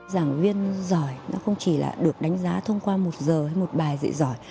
giảng viên giỏi nó không chỉ là được đánh giá thông qua một giờ hay một bài dạy giỏi